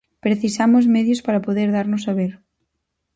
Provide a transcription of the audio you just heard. Precisamos medios para poder darnos a ver.